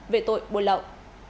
về tội bồi lậu